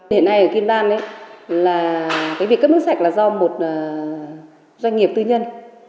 hiện nay ở kim lan cái việc cấp nước sạch là do một doanh nghiệp tư nhân